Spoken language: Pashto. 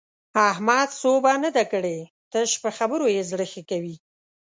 احمد سوبه نه ده کړې؛ تش په خبرو يې زړه ښه کوي.